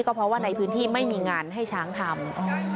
ก็เพราะว่าในพื้นที่ไม่มีงานให้ช้างทำ